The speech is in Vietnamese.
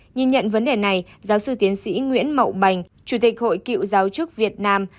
nhìn nhận vấn đề này giáo sư tiến sĩ nguyễn mậu bành chủ tịch hội cựu giáo chức việt nam